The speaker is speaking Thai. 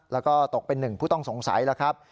แล้วก็ตกเป็นหนึ่งผู้ต้องสงสัยแล้วครับ